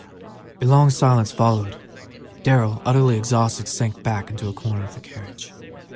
A long silence followed. Darrell, utterly exhausted, sank back into a corner of the carriage.